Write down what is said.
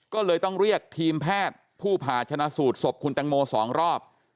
ก็เลยต้องเรียกทีมแพทย์ผู้ผ่าชนะสูตรศพคุณตังโม๒รอบ